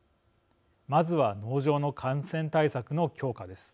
まずは農場の感染対策の強化です。